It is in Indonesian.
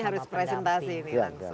makanya ini harus presentasi ini langsung